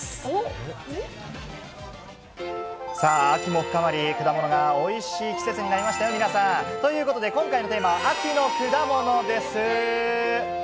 さあ、秋も深まり、果物がおいしい季節になりましたよ、皆さん。ということで今回のテーマ、秋の果物です。